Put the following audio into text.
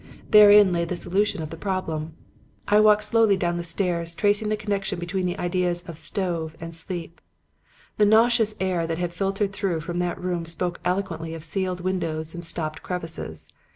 Therein lay the solution of the problem. "I walked slowly down the stairs tracing the connection between the ideas of 'stove' and 'sleep.' The nauseous air that had filtered through from that room spoke eloquently of sealed windows and stopped crevices.